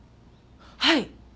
はい！